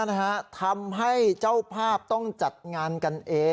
นะฮะทำให้เจ้าภาพต้องจัดงานกันเอง